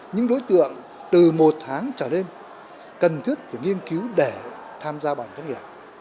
những đối tượng từ một tháng trở lên cần thiết phải nghiên cứu để tham gia bảo hiểm thất nghiệp